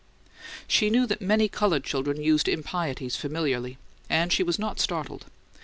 She knew that many coloured children use impieties familiarly, and she was not startled.